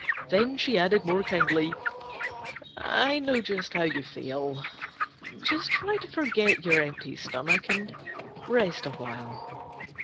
Then she added more kindly: "I know just how you feel. Just try to forget your empty stomach and rest awhile.